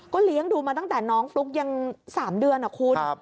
เลี้ยงดูมาตั้งแต่น้องฟลุ๊กยัง๓เดือนนะคุณ